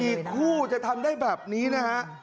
อีกคู่จะทำได้แบบนี้นะฮะ